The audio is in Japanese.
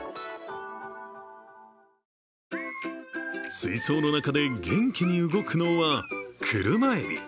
水槽の中で元気に動くのは車えび。